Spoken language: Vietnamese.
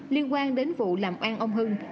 liên quan đến vụ làm oan ông hưng